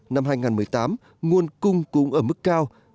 năm hai nghìn một mươi tám nguồn cung cũng ở mức cao